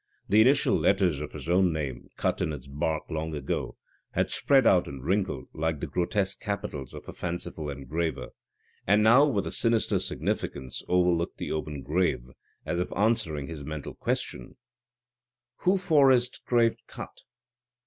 The initial letters of his own name, cut in its bark long ago, had spread out and wrinkled like the grotesque capitals of a fanciful engraver, and now with a sinister significance overlooked the open grave, as if answering his mental question, "Who for is t' grave cut?"